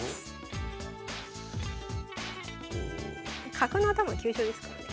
角の頭は急所ですからね。